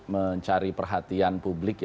mencari perhatian publik